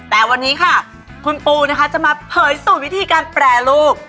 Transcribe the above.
แต่วันนี้ค่ะคุณปูนะคะจะมาเผยสูตรวิธีการแปรรูป